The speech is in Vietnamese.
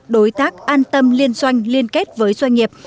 đối tác an tâm liên doanh liên kết với doanh nghiệp